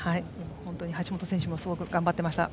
本当に橋本選手もすごく頑張っていました。